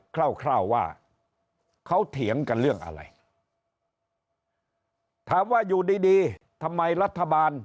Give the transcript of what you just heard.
คร่าวว่าเขาเถียงกันเรื่องอะไรถามว่าอยู่ดีดีทำไมรัฐบาล